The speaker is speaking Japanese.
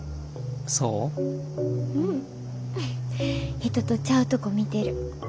人とちゃうとこ見てる。